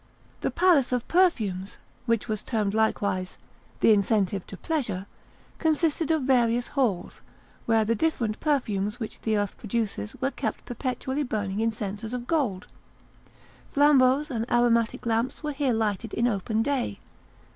"The Palace of Perfumes," which was termed likewise "The Incentive to Pleasure," consisted of various halls, where the different perfumes which the earth produces were kept perpetually burning in censers of gold. Flambeaux and aromatic lamps were here lighted in open day.